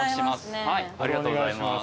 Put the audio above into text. ありがとうございます。